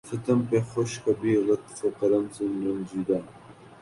ستم پہ خوش کبھی لطف و کرم سے رنجیدہ